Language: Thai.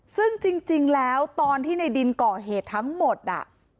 ซึ่งจริงแล้วตอนที่ในดินก่อเหตุทั้งหมดอ่ะ